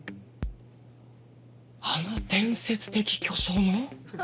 あの伝説的巨匠の？